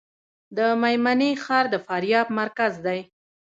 د میمنې ښار د فاریاب مرکز دی